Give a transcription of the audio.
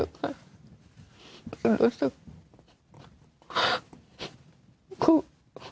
รู้สึกค่ะรู้สึก